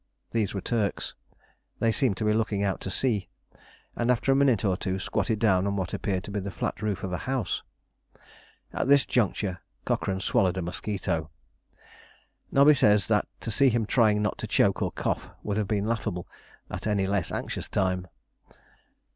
These were Turks; they seemed to be looking out to sea, and after a minute or two squatted down on what appeared to be the flat roof of a house. At this juncture Cochrane swallowed a mosquito. Nobby says that to see him trying not to choke or cough would have been laughable at any less anxious time.